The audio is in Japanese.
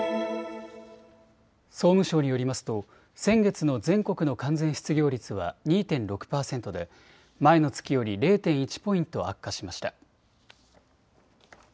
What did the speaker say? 総務省によりますと先月の全国の完全失業率は２．６％で前の月より０．１ポイント悪化しました。